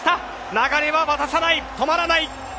流れは渡さない、止まらない。